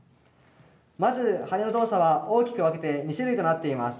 まず羽の動作は大きく分けて２種類となっています。